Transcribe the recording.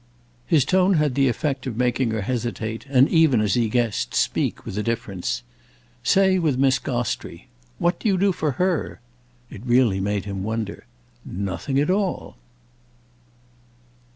His tone had the effect of making her hesitate and even, as he guessed, speak with a difference. "Say with Miss Gostrey. What do you do for her?" It really made him wonder. "Nothing at all!"